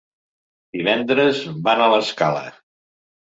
Divendres van a l'Escala.